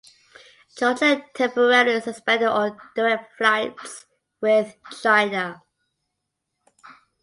Georgia temporarily suspended all direct flights with China.